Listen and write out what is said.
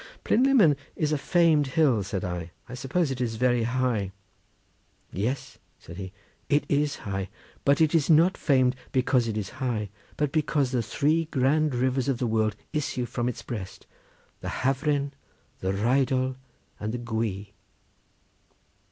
"Plynlimmon is a famed hill," said I; "I suppose it is very high." "Yes!" said he, "it is high, but it is not famed because it is high, but because the three grand rivers of the world issue from its breast; the Hafren, the Rheidol, and the Gwy."